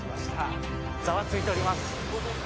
ざわついております。